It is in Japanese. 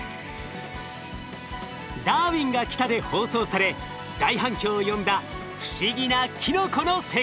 「ダーウィンが来た！」で放送され大反響を呼んだ不思議なキノコの世界。